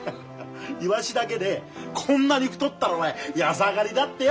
イワシだけでこんなに太ったら安上がりだってよ。